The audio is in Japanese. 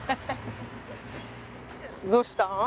どうしたん？